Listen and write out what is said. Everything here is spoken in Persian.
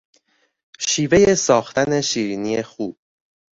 شیوهی ساختن شیرینی خوب